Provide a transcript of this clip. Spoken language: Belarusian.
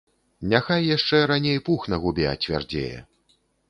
Няхай яшчэ раней пух на губе ацвярдзее.